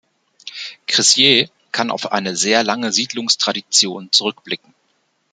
Crissier kann auf eine sehr lange Siedlungstradition zurückblicken.